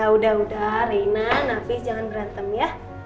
udah udah reina nafis jangan berantem ya